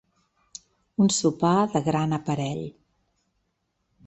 Un sopar de gran aparell.